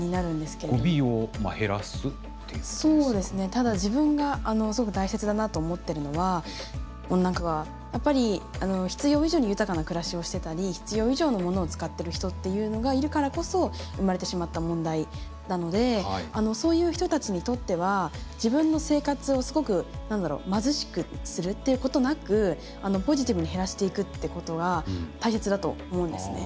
ただ自分がすごく大切だなと思ってるのは温暖化はやっぱり必要以上に豊かな暮らしをしてたり必要以上のものを使ってる人っていうのがいるからこそ生まれてしまった問題なのでそういう人たちにとっては自分の生活をすごく何だろう貧しくするっていうことなくポジティブに減らしていくってことが大切だと思うんですね。